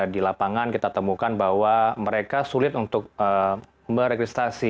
di lapangan kita temukan bahwa mereka sulit untuk merekristasi